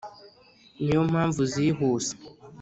Ni yo mpamvu zihuse